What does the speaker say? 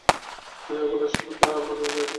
মেয়েদের গলার স্বরে তা মানিয়ে যায়।